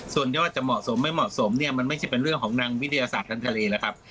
ส่วนยอดจะเหมาะสมไม่เหมาะสมเนี่ยมันไม่ใช่เป็นเรื่องของนางวิทยาศาสตร์ทางทะเลแล้วครับ